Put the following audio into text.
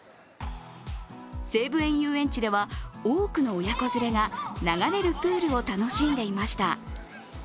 西武園ゆうえんちでは多くの親子連れが流れるプールを楽しんでいました。